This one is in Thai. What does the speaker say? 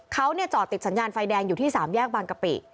เขาจอดติดสัญญาณไฟแดงอยู่ที่๓แยกบางกะปิ